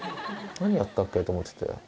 何やったっけ？と思ってて。